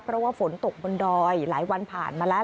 เพราะว่าฝนตกบนดอยหลายวันผ่านมาแล้ว